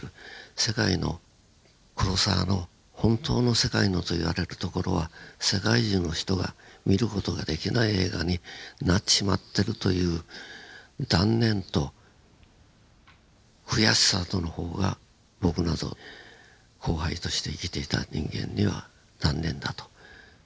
「世界のクロサワ」の本当の「世界の」と言われるところは世界中の人が見る事ができない映画になっちまってるという断念と悔しさとの方が僕など後輩として生きていた人間には残念だと。